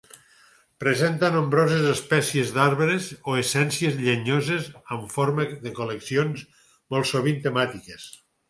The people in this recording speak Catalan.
Presenta nombroses espècies d'arbres o essències llenyoses en forma de col·leccions molt sovint temàtiques.